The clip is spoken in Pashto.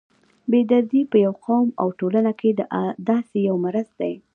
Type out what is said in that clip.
بې دردي په یو قوم او ټولنه کې داسې یو مرض دی.